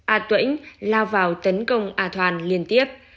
a tuyênh lao vào tấn công a thoan liên tiếp